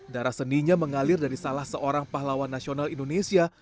darah seninya mengalir dari salah seorang pahlawan nasional indonesia